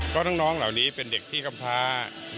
ก็น้องเหล่านี้เป็นเด็กที่กำพา